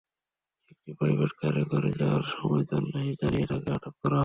একটি প্রাইভেট কারে করে যাওয়ার সময় তল্লাশি চালিয়ে তাঁকে আটক করা হয়।